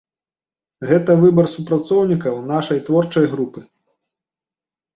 Гэта выбар супрацоўнікаў нашай творчай групы.